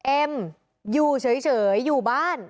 เอ็มอยู่เฉยอยู่บ้าน